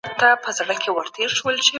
موږ د ټولنپوهنې اصول زده کوو.